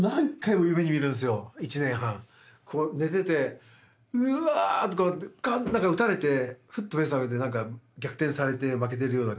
こう寝ててうわってこうやってカンって何か打たれてフッと目ぇ覚めて何か逆転されて負けてるような。